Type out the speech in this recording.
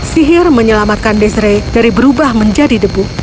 sihir menyelamatkan desre dari berubah menjadi debu